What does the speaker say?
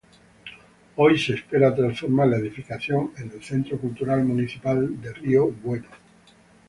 Hoy se espera transformar la edificación en el Centro cultural municipal de Río Bueno.